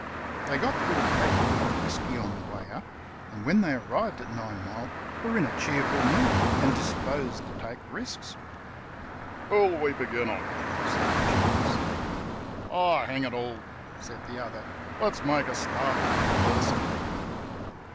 They got through a good deal of whisky on the way up, and when they arriv^ed at Ninemile were in a cheerful mood, and disposed to take risks. "Who'll we begin on?" said the Genius. "Oh, hang it all," said the other, "let's make a start with Macpherson."